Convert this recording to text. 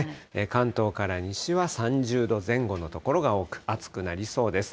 関東から西は３０度前後の所が多く、暑くなりそうです。